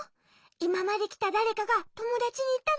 いままできただれかがともだちにいったのかな？